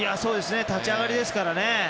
立ち上がりですからね。